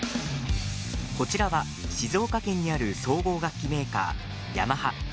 こちらは、静岡県にある総合楽器メーカー、ヤマハ。